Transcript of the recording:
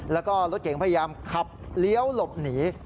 แล้วก็รถเก่งพยายามขับเลี้ยวหลบหนี